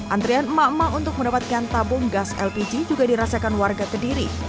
antrian emak emak untuk mendapatkan tabung gas lpg juga dirasakan warga kediri